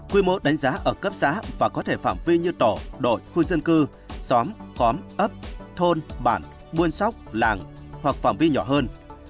quy mô đánh giá ở cấp xã và có thể phạm vi như tổ đội khu dân cư xóm xóm ấp thôn bản buôn sóc làng hoặc phạm vi nhỏ hơn